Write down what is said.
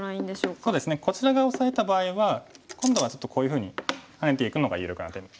こちら側オサえた場合は今度はちょっとこういうふうにハネていくのが有力な手ですね。